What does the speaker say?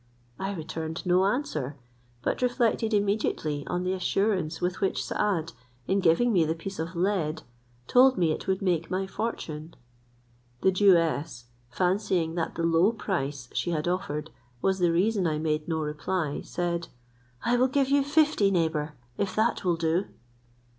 I returned no answer; but reflected immediately on the assurance with which Saad, in giving me the piece of lead, told me it would make my fortune. The Jewess, fancying that the low price she had offered was the reason I made no reply, said, "I will give you fifty, neighbour, if that will do."